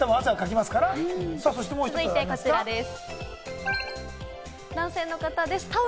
続いてこちらです。